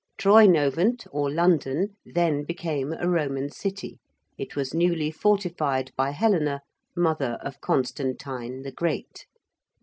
Troynovant, or London, then became a Roman city. It was newly fortified by Helena, mother of Constantine the Great.'